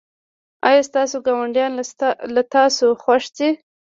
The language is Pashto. ایا ستاسو ګاونډیان له تاسو خوښ دي؟